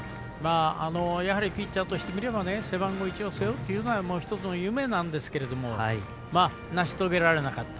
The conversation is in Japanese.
ピッチャーとしてみれば背番号１を背負うというのは１つの夢なんですけども成し遂げられなかった。